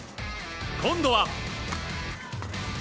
今度は。